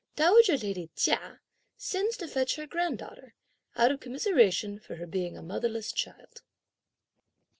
Dowager lady Chia sends to fetch her granddaughter, out of commiseration for her being a motherless child.